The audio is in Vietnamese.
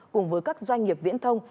cùng với các doanh nghiệp viễn thông